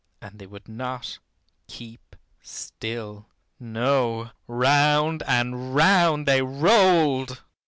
And they would not keep still. No, round and round they rolled.